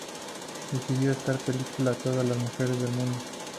Dedicó esta película a todas las mujeres del mundo.